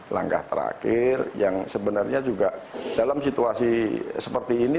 langkah terakhir yang sebenarnya juga dalam situasi seperti ini